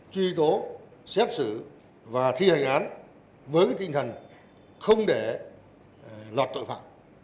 truy tố xét xử và thi hành án với tinh thần không để lọt tội phạm